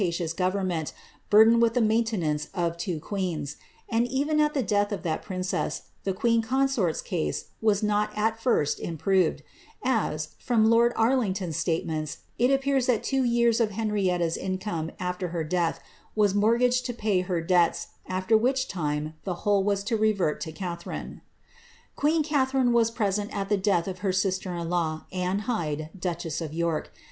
Maria, lived, Catliarinc^s income was paid with dilliculiy by a neces^iuius government, burdened with the maintenance of two queens;' and even at the death of tbat princess, the queen coo sort's case was not at first improved, as, from lord Arlington's statements, it appears that two years of Henrietta's income, after her death, vt$ mortiraged to jxiy her debts,' after which time the whole was to revert to Catharine. C:^ueen C athariiie was present at the death of her sister in law, .\nve llvde, duchess of York.